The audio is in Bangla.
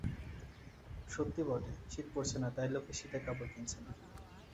সত্যি বটে, শীত পড়ছে না, তাই লোকে শীতের কাপড় কিনছে না।